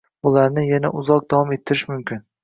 Bularni yana uzoq davom ettirish mumkin